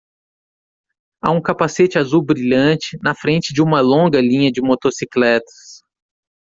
Há um capacete azul brilhante na frente de uma longa linha de motocicletas.